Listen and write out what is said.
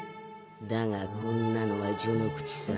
だがこんなのは序の口さ。